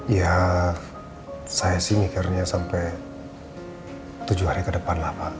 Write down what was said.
ya saya sih mikirnya sampai tujuh hari ke depan lah pak